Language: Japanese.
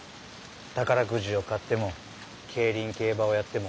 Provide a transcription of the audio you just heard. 宝くじを買っても競輪・競馬をやっても。